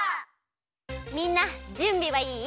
みんなじゅんびはいい？